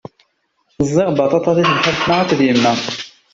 Ẓẓiɣ baṭaṭa di tebḥirt-nneɣ akked yemma.